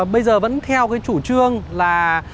bây giờ vẫn theo cái chủ trương là